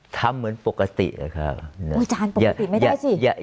จานปกติไม่ได้สิ